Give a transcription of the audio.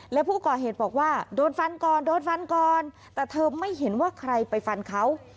และผู้ก่อเหตุบอกว่าโดนฟันก่อนโดนฟันก่อนแต่เธอไม่เห็นว่าใครไปฟันเขา